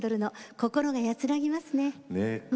心が安らぎますね。